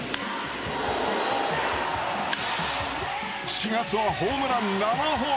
４月はホームラン７本。